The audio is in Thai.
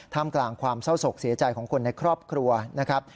กลางความเศร้าศกเสียใจของคนในครอบครัวนะครับ